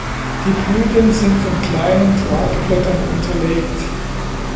Die Blüten sind von kleinen Tragblättern unterlegt.